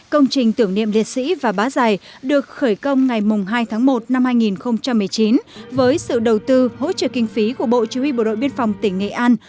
công trình tưởng niệm liệt sĩ và bá giải được khởi công ngày hai tháng một năm hai nghìn một mươi chín với sự đầu tư hỗ trợ kinh phí của bộ chỉ huy bộ đội biên phòng tỉnh nghệ an